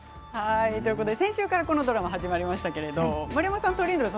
先週からドラマが始まりましたけど、丸山さんトリンドルさん